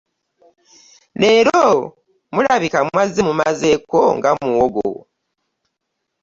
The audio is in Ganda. Leero mulabika mwazze mumazeeko nga muwogo.